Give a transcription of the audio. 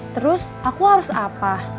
terus aku harus apa